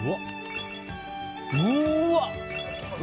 うわっ！